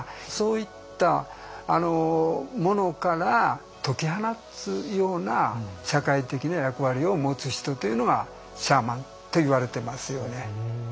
そういったものから解き放つような社会的な役割を持つ人というのがシャーマンといわれてますよね。